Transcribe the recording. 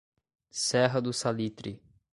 Serra do Salitre